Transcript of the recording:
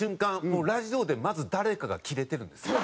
もうラジオでまず誰かがキレてるんですよ。